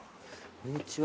こんにちは。